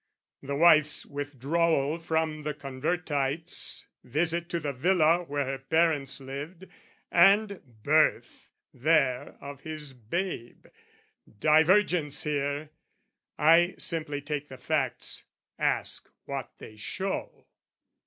The wife's withdrawal from the Convertites, Visit to the villa where her parents lived, And birth there of his babe. Divergence here! I simply take the facts, ask what they show.